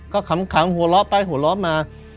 ก็ขำหัวเราะไปหัวเราะมา